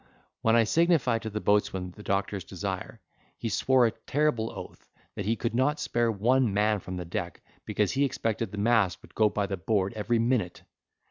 When I signified to the boatswain the doctor's desire, he swore a terrible oath, that he could not spare one man from deck, because he expected the mast would go by the board every minute.